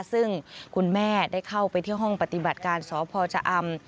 ซึ่งคุณแม่ได้เข้าไปที่ห้องปฏิบัติการสพชะอำ